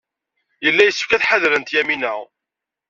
Yella yessefk ad ḥadrent Yamina.